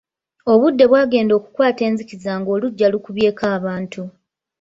Obudde bwagenda okukwata enzikiza ng'oluggya lukubyeko abantu.